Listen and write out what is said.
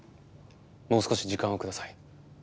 もう少し時間を下さい。